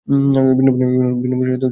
ভিন্ন ভিন্ন দরজা দিয়ে প্রবেশ করবে।